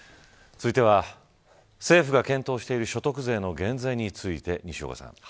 続いては政府が検討している所得税の減税について、西岡さん。